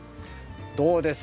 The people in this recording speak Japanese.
どうです？